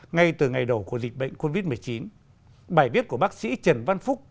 ngay từ ngày đầu của dịch bệnh covid một mươi chín bài viết của bác sĩ trần văn phúc